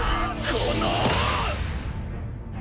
この！